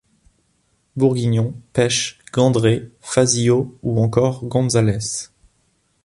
Bourguignon, Pèche, Gandré, Fazillau ou encore Gonzalès.